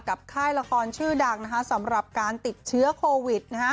ค่ายละครชื่อดังสำหรับการติดเชื้อโควิดนะฮะ